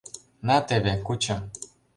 На теве, кучо.